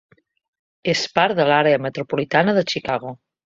És part de l'àrea metropolitana de Chicago.